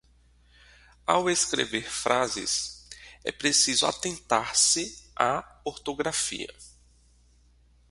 Ao escrever frases, é preciso atentar-se à ortografia.